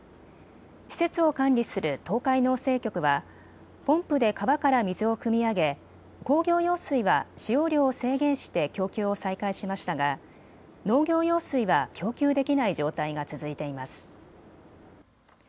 施設を管理する東海農政局はポンプで川から水をくみ上げ工業用水は使用量を制限して供給を再開しましたが農業用水は供給できない状態が続いています。